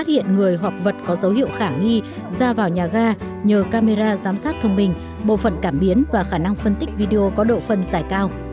phát hiện người hoặc vật có dấu hiệu khả nghi ra vào nhà ga nhờ camera giám sát thông minh bộ phận cảm biến và khả năng phân tích video có độ phân giải cao